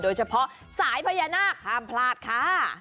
โดยเฉพาะสายพญานาคห้ามพลาดค่ะ